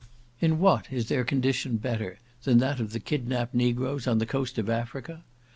In what is their condition better than that of the kidnapped negroes on the coast of Africa?